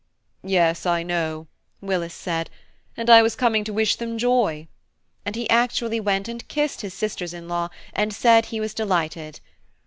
"Yes, I know," Willis said, "and I was coming to wish them joy," and he actually went and kissed his sisters in law, and said he was delighted.